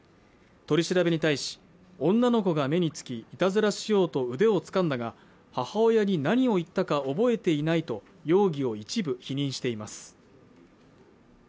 取り調べに対し女の子が目に付きいたずらしようと腕を掴んだが母親に何を言ったか覚えていないと容疑を一部否認しています